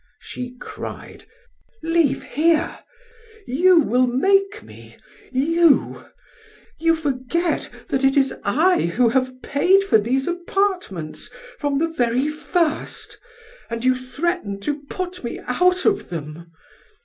She cried: "Leave here you will make me you? You forget that it is I who have paid for these apartments from the very first, and you threaten to put me out of them.